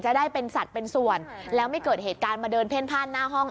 จะได้เป็นสัตว์เป็นส่วนแล้วไม่เกิดเหตุการณ์มาเดินเพ่นผ้านหน้าห้อง